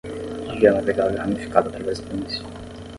A via navegável é ramificada através da planície.